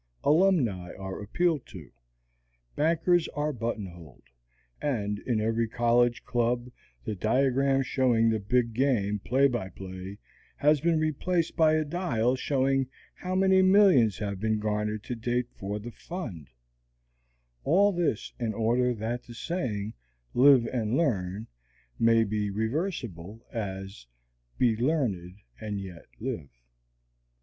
Alumni are appealed to, bankers are buttonholed, and in every college club the diagram showing the Big Game play by play has been replaced by a dial showing how many millions have been garnered to date for the fund; all this in order that the saying "Live and learn" may be reversible as "Be learned and yet live."